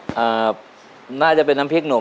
ตัวเลือกที่สี่ชัชวอนโมกศรีครับ